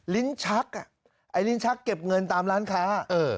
ลิ้นชักไอ้ลิ้นชักเก็บเงินตามร้านค้า